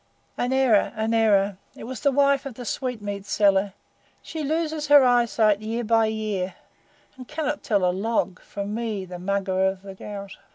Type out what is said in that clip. "An error an error. It was the wife of the sweetmeat seller. She loses her eyesight year by year, and cannot tell a log from me the Mugger of the Ghaut.